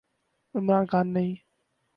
عمران خان نہیں۔